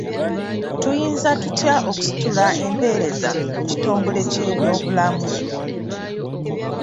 Tuyinza tutya okusitula empeereza mu kitongole ky'ebyobulamu?